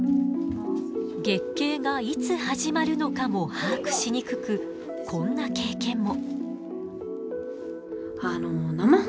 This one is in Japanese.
月経がいつ始まるのかも把握しにくくこんな経験も。